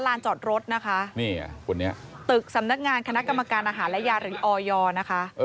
ลานจอดรถนะคะนี่คนนี้ตึกสำนักงานคณะกรรมการอาหารและยาหรือออยนะคะ